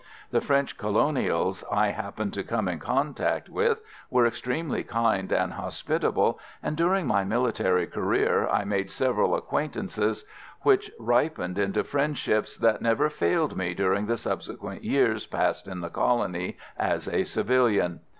The French colonials I happened to come in contact with were extremely kind and hospitable, and during my military career I made several acquaintances which ripened into friendships that never failed me during the subsequent years passed in the colony as a civilian.